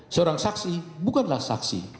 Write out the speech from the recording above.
seorang saksi bukanlah saksi